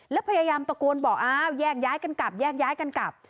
แล้วพยายามตะโกนบอกอ้าวแยกย้ายกันกลับแยกย้ายกันกลับ